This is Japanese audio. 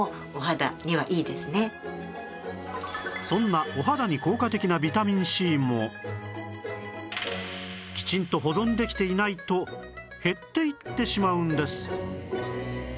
そんなお肌に効果的なビタミン Ｃ もきちんと保存できていないと減っていってしまうんです